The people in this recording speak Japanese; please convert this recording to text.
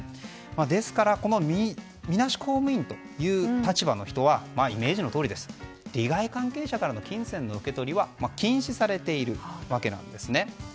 ですから、みなし公務員という立場の人はイメージの通りですが利害関係者からの金銭の受け取りは禁止されているわけなんです。